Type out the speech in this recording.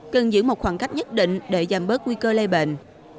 cần giữ một khoảng cách nhất định để giảm bớt nguy cơ lây bệnh